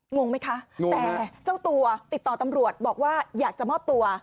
งงไหมคะแต่เจ้าตัวติดต่อตำรวจบอกว่าอยากจะมอบตัว